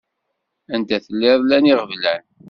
Anda telliḍ llan iɣeblan.